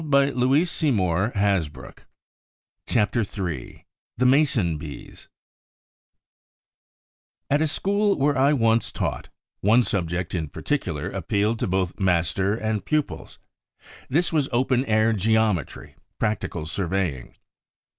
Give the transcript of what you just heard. CHAPTER III THE MASON BEES At a school where I once taught, one subject in particular appealed to both master and pupils. This was open air geometry, practical surveying.